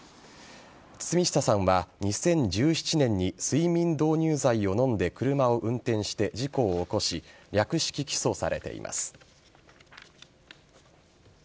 堤下さんは２０１７年に睡眠導入剤を飲んで車を運転して事故を起こし略式起訴されています。